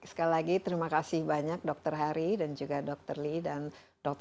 sekali lagi terima kasih banyak dokter hari dan juga dr lee dan dr